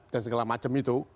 dan segala macam itu